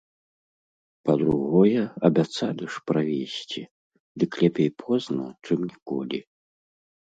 Па-другое, абяцалі ж правесці, дык лепей позна, чым ніколі.